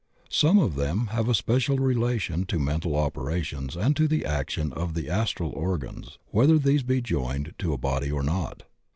Some of them have a special relation to mental operations and to the action of the astral organs, whetfier these be joined to a body or not.